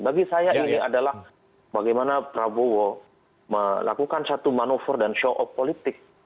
bagi saya ini adalah bagaimana prabowo melakukan satu manuver dan show of politik